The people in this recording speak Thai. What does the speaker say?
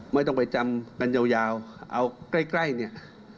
ไม่ต้องไปจำกันยาวเอาใกล้เนี่ย